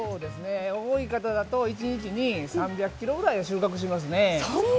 多い方だと一日に３００ｋｇぐらいは収穫しますね。